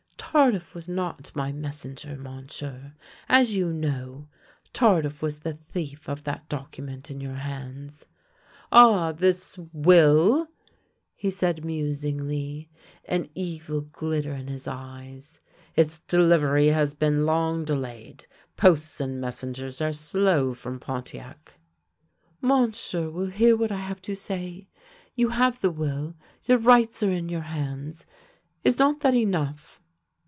" Tardif was not my messenger, Monsieur, as you know. Tardif was the thief of that document in your hands." "Ah, this — will!" he said musingly, an evil glitter in his eyes. Its delivery has been long delayed. Posts and messengers are slow from Pontiac." " Monsieur will hear what I have to say? You have the will, your rights are in your hands. Is not that enough?